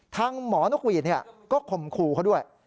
ทางหมอนกหวีดก็ข่มขู่เขาด้วย